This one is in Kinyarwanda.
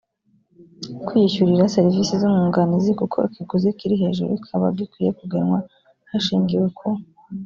kwiyishyurira serivisi z umwunganizi kuko ikiguzi kiri hejuru kikaba gikwiye kugenwa hashingiwe ku